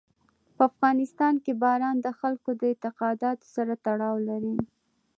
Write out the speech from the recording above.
په افغانستان کې باران د خلکو د اعتقاداتو سره تړاو لري.